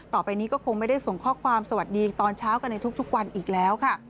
ต่อไปนี้ก็คงไม่ได้ส่งข้อความสวัสดีตอนเช้ากันในทุกวันอีกแล้วค่ะ